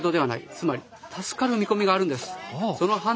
つまり助かる見込みがあるんです。